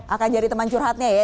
akan jadi teman curhatnya ya